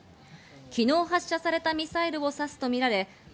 昨日発射されたミサイルを指すとみられます。